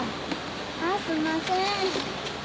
あぁすんません。